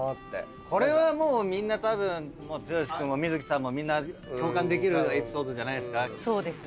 これはもうみんなたぶん剛君も観月さんもみんな共感できるエピソードじゃないですか？